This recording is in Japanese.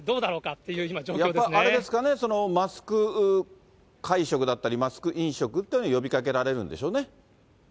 っていう今、状況であれですかね、マスク会食だったり、マスク飲食というのは呼びかけられるんでしょうね？